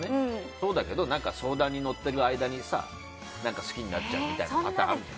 そうだけど、相談に乗ってる間に好きになっちゃうみたいなパターンあるじゃん。